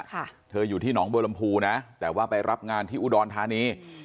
เธออยู่ที่หนองบัวลำพูนะแต่ว่าไปรับงานที่อุดรธานี